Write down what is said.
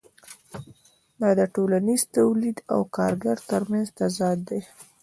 دا د ټولنیز تولید او کارګر ترمنځ تضاد دی